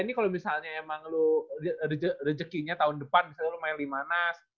ini kalau misalnya emang lu rejekinya tahun depan misalnya lu main lima nas